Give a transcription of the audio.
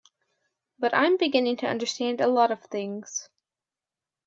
But I'm beginning to understand a lot of things.